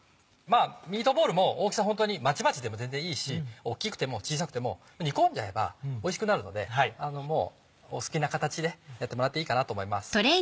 ミートボールも大きさホントにまちまちでも全然いいし大っきくても小さくても煮込んじゃえばおいしくなるのでお好きな形でやってもらっていいかなと思います。